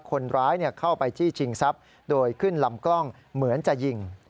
คนร้ายเข้าไปจี้ชิงทรัพย์โดยขึ้นลำกล้องเหมือนจะยิง